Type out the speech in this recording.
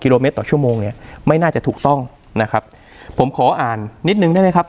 โลเมตรต่อชั่วโมงเนี่ยไม่น่าจะถูกต้องนะครับผมขออ่านนิดนึงได้ไหมครับ